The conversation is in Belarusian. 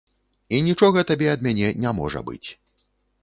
І нічога табе ад мяне не можа быць.